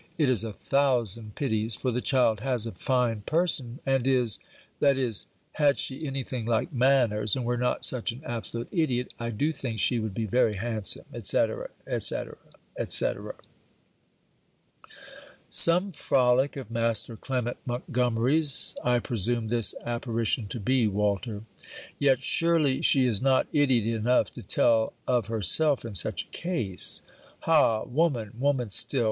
It is a thousand pities; for the child has a fine person, and is that is, had she any thing like manners, and were not such an absolute idiot, I do think she would be very handsome, &c. &c. &c.' Some frolic of master Clement Montgomery's, I presume this apparition to be, Walter. Yet, surely she is not idiot enough to tell of herself in such a case! Ha! woman! woman still!